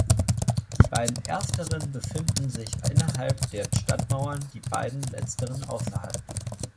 Die beiden ersteren befinden sich innerhalb der Stadtmauern die beiden letzteren außerhalb.